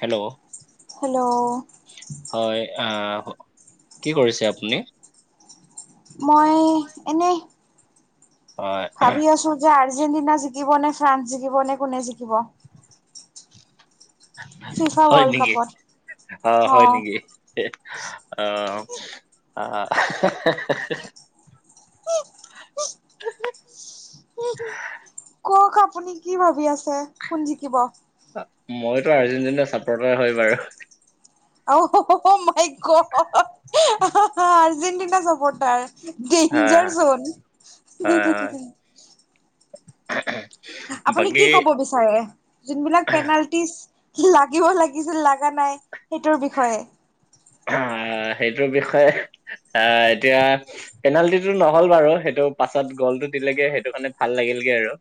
Hello hello হয় আহ কি কৰিছে আপুনি? মই এনেই। হয়। ভাবি আছোঁ যে আৰ্জেণ্টিনা জিকিবনে ফ্ৰান্স জিকিব নে কোনে জিকিব। ফিফা হয় ৱৰ্ল্ড নেকি, কাপত অ হয় নেকি? অ [unintelligible] হ [unintelligible] ক খা [unintelligible] আপুনি কি ভাবি আছে কোন জিকিব? মইতো আৰ্জেণ্টিনাৰ চাপৰ্টাৰ হয় বাৰু। অহ হ হ মাই গদ আৰ্জেণ্টিনা চাপৰ্টাৰ। হয় ডেঞ্জাৰ হয় হয় জন। আপুনি বাকী কি ক'ব বিচাৰে যোনবিলাক পেনাল- ইচ লাগিব লাগিছিল লাগা নাই সেইটোৰ বিষয়ে। আহ সেইটোৰ বিষয়ে আহ এতিয়া- পেনাল্টিটো নহল বাৰু সেইটো পাছত গ'লটো দিলেগে সেইটো কাৰণে ভাল লাগিলগে আৰু।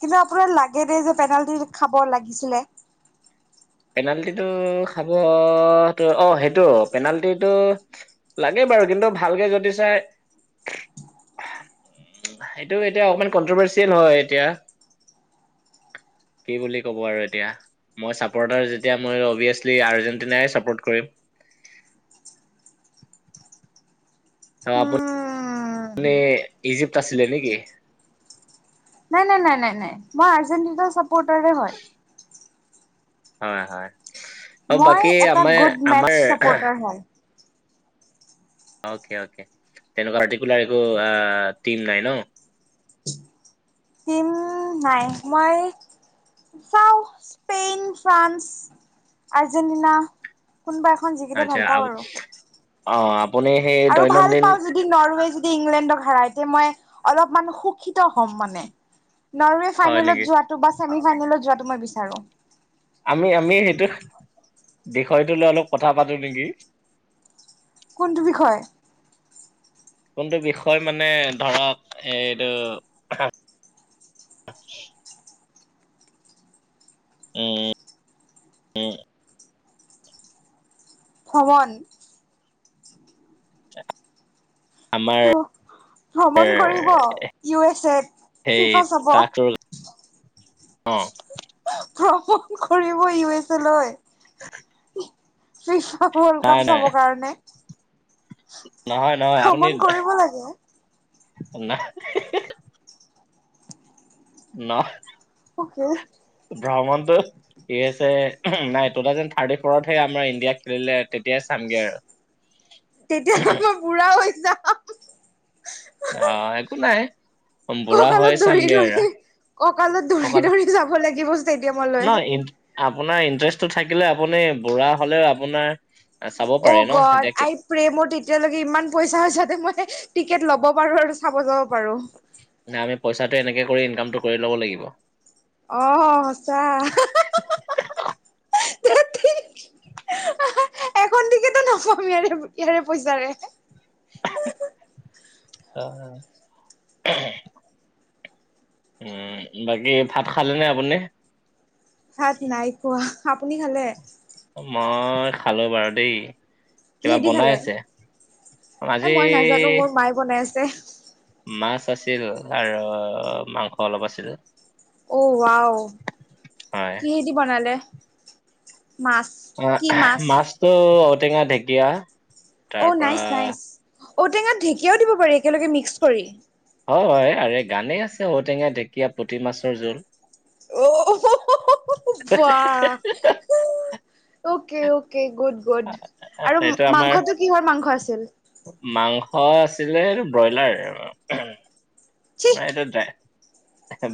কিন্তু আপোনাৰ লাগে দেই যে পেনাল্টি খাব লাগিছিলে। পেনাল্টিটো খাব অ সেইটো পেনাল্টিটো- লাগে বাৰু কিন্তু ভালকে যদি চাই- [inaudible] সেইটো এতিয়া অকমান কনট্ৰভাৰ্চিয়েল হয় এতিয়া। কি বুলি কব আৰু এতিয়া মই চা। পৰ্টাৰ যেতিয়া মই অবিয়েচলি আৰ্জেণ্টিনাই ছাপৰ্ট কৰিম। উম আপুনি ইজিপ আছিলে নেকি? নাই নাই নাই নাই নাই মই আৰ্জেণ্টিনা চাপৰ্টাৰে হয়। হয় হয় অ মই বাকী এটা আমাৰ গুড মেচ আমাৰ- চাপৰ্টাৰ হয়। অকে অকে তেনেকুৱা পাৰটিকুলাৰ একো টিম নাই ন। হিম- নাই মই। চাওঁ স্পেইন, ফ্ৰান্স, আৰ্জেণ্টিনা। কোনোবা এখন জিকিলে আচ্ছা ভাল পাওঁ আপ- আৰু। অ আপুনি সেই আৰু ভাল দৈনন্দিন। পাওঁ যদি নৰৱে যদি ইংলেণ্ডক হেৰাই তেয়া মই অলপমান সুখিত হ'ম মানে। নৰৱে হয় ফাইনেলত নেকি? যোৱাটো বা ছেমি ফাইনেলত যোৱাটো মই বিচাৰো। আমি আমি সেইটো বিষয়টো লৈ অলপ কথা পাতো নেকি। কোনটো বিষয়। কোনটো বিষয় মানে ধৰক এইটো। উম উম। ভ্ৰমণ। আ। [inaudible] অ ভ্ৰমণ কৰিব ইউ এছ এ ফিফা চাব। অহ। হ ভমণ কৰিব ইউ এছ লৈ। [inaudible] বিশ্ব ৱৰ্ল্ড নাই কাপ নাই। চাবৰ কাৰণে। নহয় নহয় আপুনি ভ্ৰমণ কৰিব লাগে নাই হে হে। ন হ। [unintelligible] অকে। ৰামণন্ত। ইয়েছে উহ ম নাই টু থাউজেণ্ড থাৰ্টি ফৰত সে আমাৰ ইণ্ডিয়া খেলিলে তেতিয়াই চামগে আৰু। তেতিয়া আক বুঢ়া হৈ যাম। অ একো নাই বুঢ়া হয় চামগে আৰু। ককালত ধৰি অকল ধৰি যাব লাগিব ষ্টেডিয়ামলৈ। নহয় আপোনাৰ ইন্টাৰেষ্টটো থাকিলে আপুনি বুঢ়া হলেও আপোনাৰ। চাব অ পাৰে ন গদ। এতিয়া কি প্ৰেমৰ তেতিয়ালৈকে ইমান পইচা যাতে মই টিকেট লব পাৰো আৰু চাব যাব পাৰো। না আমি পইচাটো এনেকে কৰি ইনকামটো কৰি ল'ব লাগিব। অ সঁচা হা হা। কিতো নকবি আৰু ইয়াৰে পইচাৰে উম হু। অ উম বাকী ভাত খালে নে আপুনি। ভাত নাই খোৱা আপুনি খালে? মই খালো বাৰু দেই। কিবা কিহেদি বনাই খালে এ আছে, আজি মই নাজানো মোৰ - মায়ে বনাই আছে। মাছ আছিল আৰু মাংস অলপ আছিল। অঔ আও হয়। কিহেদি বনালে মাছ? অ কি আহ মাছ মাছটো ঔটেঙা ঢেকীয়া। তাৰ অঁ পৰা নাইচ নাইচ ঔটেঙাত ঢেঁকীয়াও দিব পাৰি একেলগে মিক্স কৰি। হয় হয় আৰে গানেই আছে ঔটেঙা ঢেকীয়া পুথি মাছৰ জোল। অ হ হ হ বা অকে অকে গুড গুড আৰু এইটো আমাৰ মাংসটো কিহৰ মাংস আছিল? মাংস আছিলে ব্ৰইলাৰ, উমহ। চি! সেটো ডাই,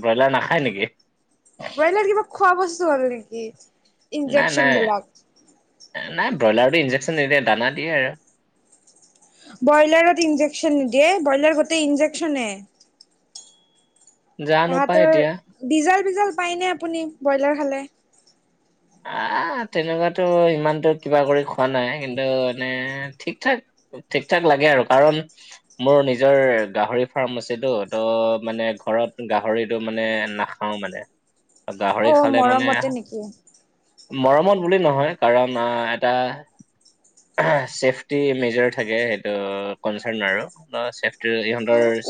ব্ৰইলাৰ নাখায় নেকি? ব্ৰইলাৰ কিবা খোৱা বস্তু হ'ল নেকি? নাই ইনজেকচন নাই, বিলাক নাই ব্ৰইলাৰটো ইন্জেকচন নিদিয়ে দানা দিয়ে। ব্ৰইলাৰত ইঞ্জেকশ্যন নিদিয়ে ব্ৰইলাৰ গোটেই ইঞ্জেকশ্যনে। জানো পাই তাহাঁতৰ এতিয়া বিজল বিজল পাইনে আপুনি ব্ৰইলাৰ খালে? আহ তেনেকুৱাতো ইমানতো কিবা কৰি খোৱা নাই কিন্তু এনে ঠিক ঠাক। ঠিক ঠাক লাগে আৰু কাৰণ মোৰ নিজৰ গাহৰি ফাৰ্ম আছেতো ত' মানে ঘৰত গাহৰিটো মানে না নাখাওঁ মানে। গাহৰি অ' খালে মানে মৰমতে নেকি? মৰমত বুলি নহয় কাৰণ আহ এটা ছেফটি মেজৰ থাকে সেইটো কনচাৰ্ণ আৰু অহ চেফটিৰ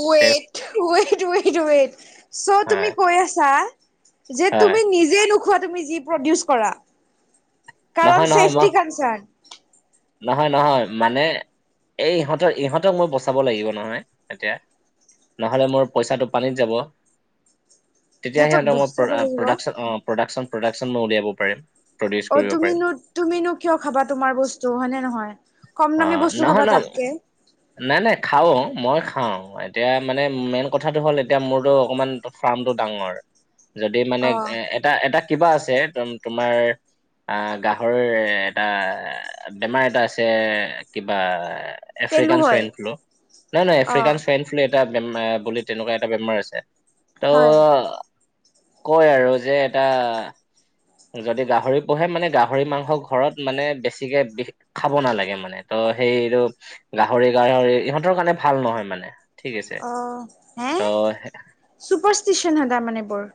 ৱেইট ৱেইট ৱেইট ৱেইট চ' তুমি হয় কৈ আছা যে হয় তুমি নিজে নোখোৱা তুমি যি প্ৰডিউচ কৰা। কাৰণ নহয় নহয় মই চেফ্টি কন্টচান। নহয় নহয় মানে, এই ইহঁতক ইহঁতক মই বচাব লাগিব নহয় এতিয়া। নহলে মোৰ পইচাটো পানীত যাব। তেতিয়া সিহঁতক মই বচাব প্ৰ লাগিব অ প্ৰডাকচন প্ৰডাকচন প্ৰডাকশ্যন মই উলিয়াব পাৰিম। প্ৰডিউচ অ কৰিব পাৰিম। তুমিনো, তুমিনো কিয় খাবা তোমাৰ বস্তু হয়নে নহয়? কম দামী অ' বস্তু নহয় ন খাবা তাতকে। নাই নাই খাওঁ, মই খাওঁ এতিয়া মানে মেইন কথাটো হ'ল এতিয়া মোৰো অকমান ফাৰ্মটো ডাঙৰ। [inaudible] যদি মানে অ এ এ। এটা এটা কিবা আছে একদম তোমাৰ আহ গাহৰিৰে এটা বেমাৰ এটা আছে কিবা পেলু এফ্ৰিকান হয় সোয়ান ফ্লু, নাই নাই অ এফ্ৰিকান সাইন ফ্লু এটা বে তেনেকুৱা এটা বেমাৰ আছে, ত' হয় কয় আৰু যে এটা যদি গাহৰি পোহে মানে গাহৰি মাংস ঘৰত মানে বেছি বেছিকে বি খাব নালাগে মানে ত' সেইৰো গাহৰি গাহৰি ইহঁতৰ কাৰণে ভাল নহয় মানে ঠিক আছে, অ হে ত' চুপাৰষ্টিচন সেটা মানে বৰ।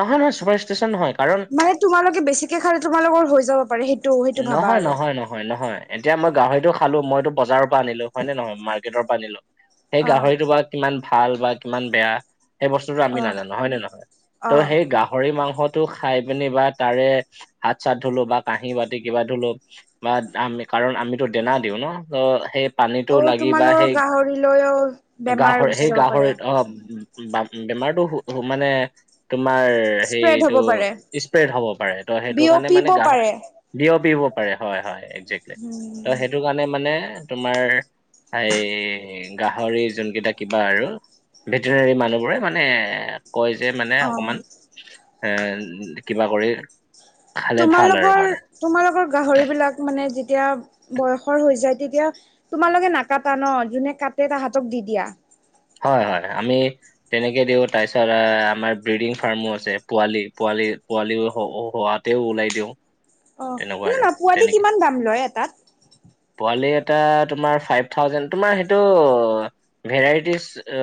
নহয় নহয় চুপাৰ ষ্টেচন নহয় কাৰণ মানে তোমালোকে বেছিকে খালে তোমালোকৰ হৈ যাব পাৰে সেইটো সেইটো ভাবা নহয় আৰু নহয় নহয়। নহয় নহয় এতিয়া মই গাহৰিটো খালো মইতো বজাৰৰ পৰা আনিলো হয় নে নহয় মাৰ্কেটৰ পৰা আনিলো সেই অ গাহৰিটো বা কিমান ভাল বা কিমান বেয়া সেই বস্তুটো আমি অ নাজানো হয় নে নহয় ত' অ সেই গাহৰি মাংসত টো খাই পিনি বা তাৰে হাত-চাত ধুলো বা কাঁহি বা কিবা ধুলো বা আমি কাৰণ আমিতো দেনা দিওঁ ন ত সেই পানীটো অ' লাগি বা তোমালোকৰ সেই গাহৰিলৈও বেমাৰ গাহৰি গুচি সেই যাব পাৰে। গাহৰি অ বা বেমাৰটো হু হু মানে তোমাৰ স্প্ৰেড সেইটো হ'ব পাৰে, স্প্ৰেড হব পাৰে ত' সেইটো কাৰণে বিয়পিব মানে গাহ পাৰে। বিয়পিব পাৰে হয় হয় একজেক্টলি, ত' সেইটো কাৰণে মানে তোমাৰ এই গাহৰি যোনকেইটা কিবা আৰু ভেটেনেৰী মানুহবোৰে মানে এ কয় যে মানে অকমান, অ' এ কিবা কৰি খালে ভাল আৰু তোমালোকৰ মানে। তোমালোকৰ গাহৰি বিলাক মানে যেতিয়া বয়সৰ হৈ হৈ যায়, তেতিয়া তোমালোকে নাকাটা ন যোনে কাটে তাহাঁতক দি দিয়া। হয় হয় আমি তেনেকে দিওঁ। তাৰপিছত এ আমাৰ ব্ৰিডিং ফাৰ্মো আছে পোৱালি পোৱালি পোৱালিও হ হোৱাত তেওঁ ওলাই দিওঁ। অহ, তেনেকুৱা আৰু শুনানা পোৱালি তেনেকে কিমান দাম লয় এটাত? পোৱালি এটা তোমাৰ ফাইপ থাওজেন তোমাৰ সেইটো ভেৰাইটি চা এ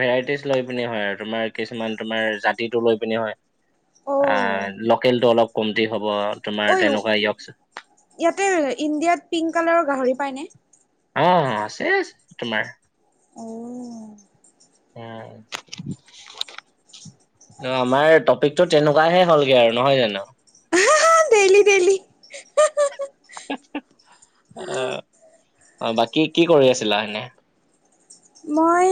ভেৰাইটিজ লৈ পিনে হয় আৰু তোমাৰ কিছুমান তোমাৰ জাতিটো লৈ পিনি হয়। আ অ' লোকেল টো অলপ কমতি হ'ব ঐ তোমাৰ তেনেকুৱাই ইকচোন ইয়াতে ইণ্ডিয়াত পিংক কালাৰৰ গাহৰি পায়নে? অ আছে আ তোমাৰ। অ। উম। অহ। অ আমাৰ টপিকটো তেনেকুৱাহে হ'লগে আৰু নহয় জানো আ হা হা দেইলি দেইলি। অ, অ বাকী কি কৰি আছিলা এনে? মই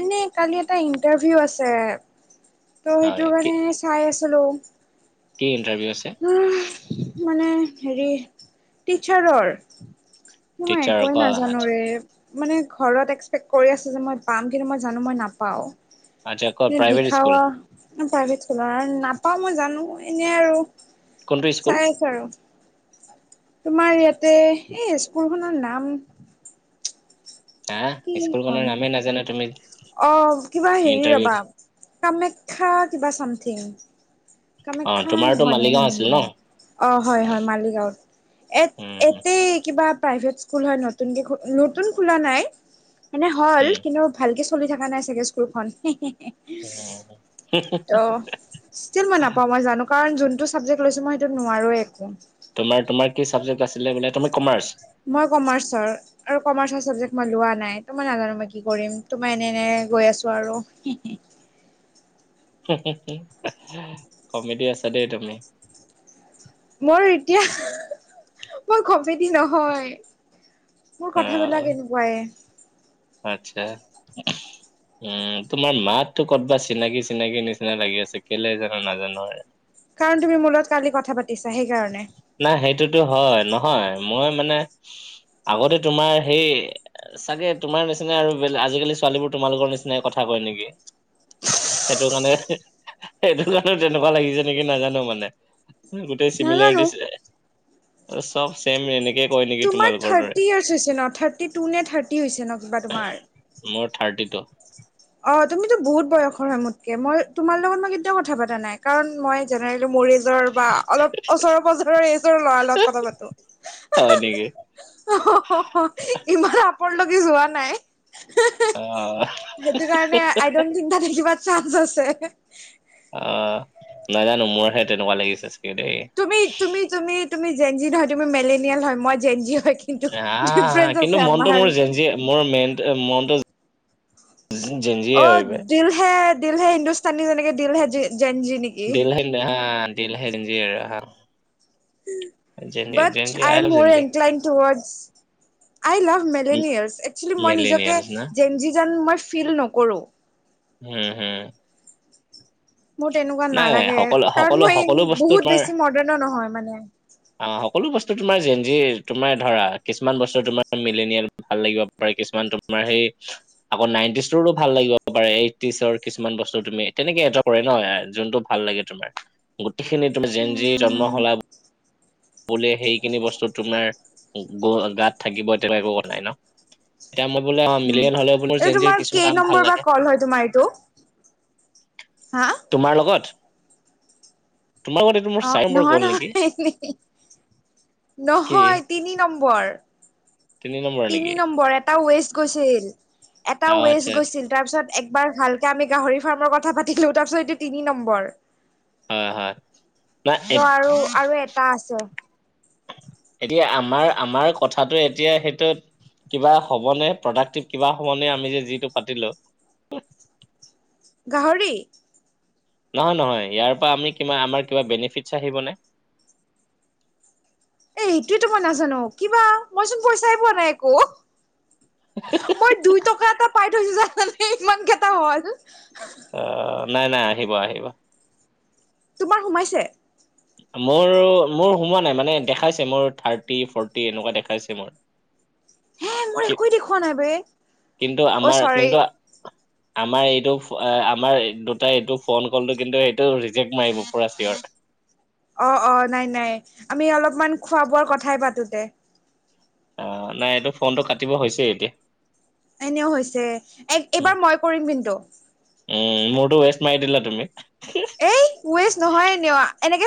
এনে নে, কালি এটা ইণ্টাৰভিউ আছে। ত হয় সেইটোৰ কি কাৰণে চাই আছিলোঁ। কি ইণ্টাৰভিউ আছে? উমহ, মানে হেৰী টিচাৰৰ। মই টিচাৰ একোৱে ক নাজানো আচ্ছা ৰে। মানে ঘৰত এক্সপেক্ট কৰি আছে যে মই পাম কিন্তু মই জানো মই নাপাওঁ। আচ্ছা ক এনে প্ৰাইভেট স্কুল দিখাৱা প্ৰাইভেট স্কুলৰ নাপাওঁ মই জানো এনে আৰু। কোনটো স্কুল চাই আছোঁ আৰু। তোমাৰ ইয়াতে এই স্কুলখনৰ নাম। হা কি এইখন স্কুলখনৰ নামেই নাজানা তুমি অ কিবা হেৰী ইণ্টাৰভিউ ৰবা। কামাখ্যা কিবা চামথিং অ কামাখ্যা তোমাৰতো নহয় মালিগাঁও নহয় আছিল ন নহয়। অঁ হয় হয় মালি গাঁৱত। এত উম, এতেই কিবা প্ৰাইভেট স্কুল হয় নতুনকে খো নতুন খোলা নাই। মানে হ'ল উম, কিন্তু ভালকে চলি থকা নাই চাগে স্কুলখন। হে হে। উম। হোমহ হোমহ হোমহ। ষ্টিল মই নাপাওঁ মই জানো কাৰণ যোনটো ছাবজেক্ট লৈছোঁ মই সেইটো নোৱাৰোঁৱেই একো। তোমাৰ তোমাৰ কি ছাবজেক্ট আছিলে বোলে? তুমি কমাৰ্চ? মই কমাৰ্চৰ। আৰু কমাৰ্চৰ ছাবজেক্ট মই লোৱা নাই। ত' মই নাজানো মই কি কৰিম ত' মই এনে এনেই গৈ আছোঁ আৰু, হে হে। হোমহ হোমহ হো, কমেডি আছা দেই তুমি। মোৰ এতিয়া মই কমেডি নহয়। মোৰ কথাবিলাক এনেকুৱায়ে। আতচ্ছা। উম, তোমাৰ মাতটো ক'তবা চিনাকি চিনাকি নিচিনা লাগি আছে কেলে জানো নাজানো আৰু। কাৰণ তুমি মোৰ লগত কালি কথা পাতিছা সেইকাৰণে। নাই সেইটোতো হয় নহয় মই মানে আগতে তোমাৰ সেই। চাগে তোমাৰ নিচিনা আৰু বেলে আজিকালি ছোৱালীবোৰ তোমালোকৰ নিচিনাই কথা কয় নেকি সেইটো কাৰণে সেইটো কাৰণে তেনেকুৱা লাগিছে নেকি নেজানো মানে। চিমিলাৰ নাজানো দিছে আৰু চব চেম এনেকে। কয় নেকি তোমাৰ তোমালোকৰ দৰে থাৰ্টি ইয়াৰ্চ হৈছে ন থাৰ্টি টু নে থাৰ্টি হৈছে ন কিবা তোমাৰ? মোৰ থাৰ্টি টু। অ তুমিটো বহুত বয়সৰ হয় মোতকে মই তোমাৰ লগত মই কেতিয়াও কথা পতা নাই। কাৰণ মই জেনেৰেলি মোৰ এইজ ৰবা অলপ ওচৰ পজৰৰ এইযোৰ ল'ৰাৰ লগত কথা হয় নেকি? পাতোঁ', হো-হো-হো, ই', ইমান আপৰ লগি যোৱা নাই হি়ঃ-হিঃ', অহ', সেইটো কাৰণে আই ডনট থিংক তাতে কিবা চান্স আছে', অ', নাজানোঁ মোৰহে তেনেকুৱা লাগিছে চাগে দেই', তুমি- তুমি- তুমি- তুমি, জেন জী নহয় তুমি মেলেনিয়াল হয় মই জেন জী হয়', কিন্তু আৰে, হা-অঅ', ডিফাৰেন্ঞ্চ আছে কিন্তু মনটো মোৰ আমাৰ জেন জী, মোৰ মেন', ত মনটো, জেন জীয়ে অ হয় বে', দিল হে', দিল হে হিন্দুস্তানী যেনেকে দিল হে জেন জী নেকি? দিল হে না‌ দিল হে জেন জীৰ হা', জেঞ্জি বাট জেঞ্জি আই এম লাভ মোৰ জেঞ্জি। ইনক্লাইণ্ড টোৱাৰ্ডছ', আই লাভ মেলেনিয়াৰছ, একচুৱেলি মই নিজকে মিলেনিয়েলছ না জেন জী যেন মই ফিল নকৰোঁ', হম', হুম', মোৰ তেনেকুৱা নাই নালাগে সকলো কাৰণ সকলো মই সকলো বস্তু বহুত তোমাৰ বেছি মডাৰ্ণো নহয় মানে', অ', সকলো বস্তু তোমাৰ জেন জী'ৰ তোমাৰ ধৰা কিছুমান বস্তু তোমাৰ মিলেনিয়াৰ', ভাল লাগিব পাৰে কিছুমান তোমাৰ সেই', আকৌ নাইনটিজৰো ভাল লাগিব পাৰে এইটিচৰ কিছুমান বস্তু তুমি তেনেকে এটা', কৰে ন', যোনটো ভাল লাগে তোমাৰ গোটেইখিনি তুমি জেন জী জন্ম উম হলা বু', বোলে, সেইখিনি বস্তু তোমাৰ গ, গাত থাকিব তেনেকে হোৱা নাই ন', এতিয়া মই বোলে অ', উম মিলেনিয়াৰ হলেও বোলে এইটো জেন জী'ৰ তোমাৰ কিছুমান কেই কাম নম্বৰ ভাল বা লাগে', কল হয় তোমাৰ এইটো? হা', তোমাৰ লগত? তোমাৰ লগত এইটো মোৰ চাৰি নম্বৰ গ'ল নেকি? হি়ঃ-হিঃ', কি নহয়, তিনি নম্বৰ', তিনি নম্বৰ তিনি নেকি নম্বৰ, এটা ৱেষ্ট গৈছিল, এটা অ আচ্ছা ৱেষ্ট আচ্ছা গৈছিল ', তাৰ পিছত একবাৰ ভালকে আমি গাহৰি ফাৰ্মৰ কথা পাতিলোঁ তাৰপিছত এইটো তিনি নম্বৰ', হয় হয় নাই ত', আৰু, আৰু এটা আছে', এতিয়া আমাৰ, আমাৰ কথাটো এতিয়া সেইটোত', কিবা হ'বনে, প্ৰডাক্টিভ কিবা হ'বনে আমি যে যিটো পাতিলোঁ', গাহৰি? নহয়', নহয়', ইয়াৰ পৰা আমি কিবা আমাৰ কিবা বেনিফিটছ আহিবনে? এ সেইটোতো মই নাজানোঁ, কিবা মই চোন পইচাই পোৱা নাই একো', [unintelligible] মই দুই টকা এটা পাই থৈছোঁ, জানানে ইমান কেইটা হ'ল', অ', নাই-নাই, আহিব -আহিব', তোমাৰ সোমাইছে? মোৰ, মোৰ সোমোৱা নাই মানে দেখাইছে মোৰ থাৰ্টি ফৰ্টি এনেকুৱা দেখাইছে মোৰ', হে', মোৰ কি একোৱ দেখুৱা নাই বেই', কিন্তু আমাৰ চিন্তা', আমাৰ এইটো, আমাৰ দুটাই এইটো ফোন কলটো কিন্তু এইটো ৰিজেক্ট মাৰিব পুৰা চিৱৰ', অ', - অ', নাই- নাই, আমি অলপমান খোৱা বোৱাৰ কথাই পাতো দে', অ', নাই, এইটো ফোনটো কাটিব হৈছেই এতিয়া', এনেও হৈছে, এক এইবাৰ মই কৰিম কিন্তু', উম', মোৰতো ৱেষ্ট মাৰি দিলা তুমি, কি? এই, ৱেষ্ট নহয় এনেও, এনেকে',